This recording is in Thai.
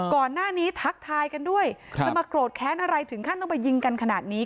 ก่อนหน้านี้ทักทายกันด้วยจะมาโกรธแค้นอะไรถึงขั้นต้องไปยิงกันขนาดนี้